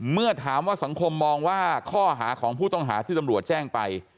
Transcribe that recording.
เมื่อถามว่าสังคมมองว่าข้อหาของผู้ต้องหาที่ตำรวจแจ้งไป